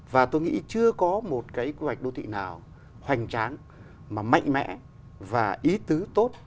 và tôi nghĩ chưa có một cái quy hoạch đô thị nào hoành tráng mà mạnh mẽ và ý tứ tốt